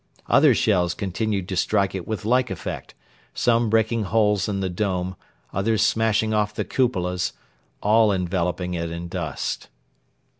Other shells continued to strike it with like effect, some breaking holes in the dome, others smashing off the cupolas, all enveloping it in dust.